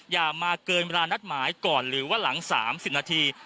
อย่ามาเกินเวลานัดหมายก่อนหรือว่าหลัง๓๐นาที